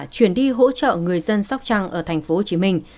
chuyển đi hỗ trợ người dân sóc trăng ở thành phố hồ chí minh